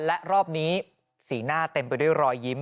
และรอบนี้สีหน้าเต็มไปด้วยรอยยิ้ม